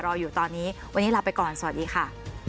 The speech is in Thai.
รออยู่ตอนนี้วันนี้ลาไปก่อนสวัสดีค่ะ